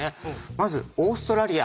まずオーストラリア。